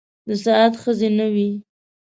د سعد ښځې نه وې.